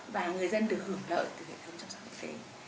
và người dân được hưởng lợi từ hệ thống chăm sóc y tế